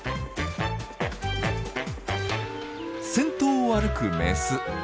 先頭を歩くメス。